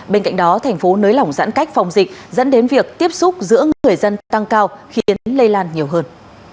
bên cạnh đó thành phố nới lỏng giãn cách phòng dịch dẫn đến việc tiếp xúc giữa người dân tăng cao khiến lây lan nhiều hơn